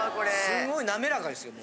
すごいなめらかですよ